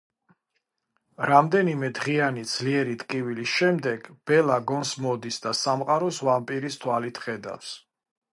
რამდენიმე დღიანი ძლიერი ტკივილის შემდეგ ბელა გონს მოდის და სამყაროს ვამპირის თვალით ხედავს.